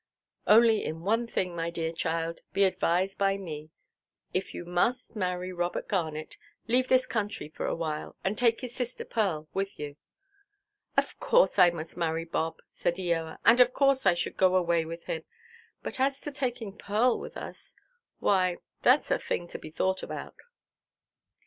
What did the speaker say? Only in one thing, my dear child, be advised by me. If you must marry Robert Garnet, leave this country for a while, and take his sister Pearl with you." "Of course I must marry Bob," said Eoa; "and of course I should go away with him. But as to taking Pearl with us, why, thatʼs a thing to be thought about."